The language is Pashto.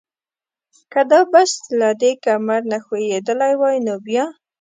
که دا بس له دې کمر نه ښویېدلی وای نو بیا؟